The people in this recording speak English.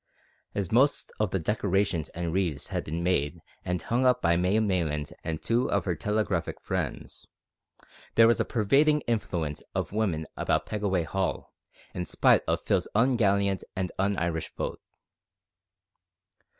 As most of the decorations and wreaths had been made and hung up by May Maylands and two of her telegraphic friends, there was a pervading influence of woman about Pegaway Hall, in spite of Phil's ungallant and un Irish vote.